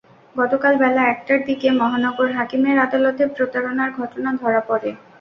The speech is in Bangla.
গতকাল বেলা একটার দিকে মহানগর হাকিমের আদালতে প্রতারণার ঘটনা ধরা পড়ে।